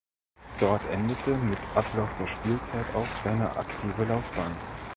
Dort endete mit Ablauf der Spielzeit auch seine aktive Laufbahn.